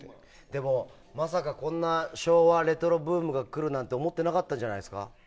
まさかこんな昭和レトロブームが来るなんて思ってなかったんじゃないですか？